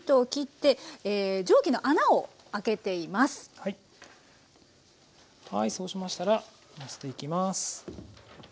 はいそうしましたらのせていきます。